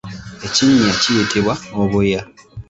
Ekinnya kiyitibwa obuya.